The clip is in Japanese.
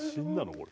これ。